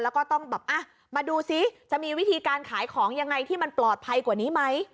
แล้วก็ต้องแบบมาดูซิจะมีวิธีการขายของยังไงที่มันปลอดภัยกว่านี้ไหม